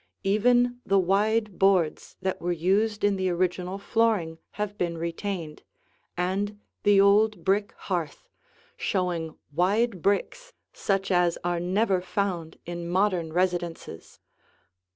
Even the wide boards that were used in the original flooring have been retained, and the old brick hearth, showing wide bricks such as are never found in modern residences.